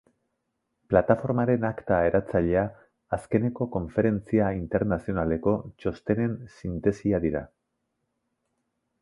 Plataformaren akta eratzailea azkeneko konferentzia internazionaleko txostenen sintesia dira.